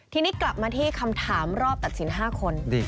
ทีนี้กลับมาที่คำถามรอบตัดสิน๕คน